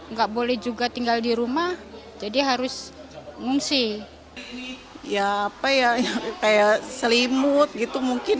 nggak boleh juga tinggal di rumah jadi harus ngungsi ya apa ya kayak selimut gitu mungkin